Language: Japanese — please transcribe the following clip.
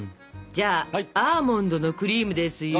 じゃあアーモンドのクリームです